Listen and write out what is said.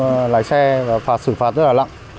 phép lái xe và xử phạt rất là lặng